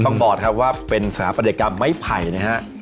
ต้องบอกครับว่าเป็นสหประเด็นกรรมไม้ไผ่นะครับ